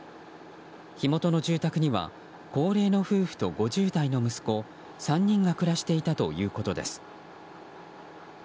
火元の住宅には高齢の夫婦と５０代の息子３人が暮らしていたということです。